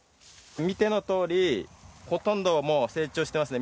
見てのとおりほとんどもう成長してますね。